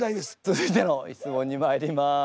続いての質問にまいります。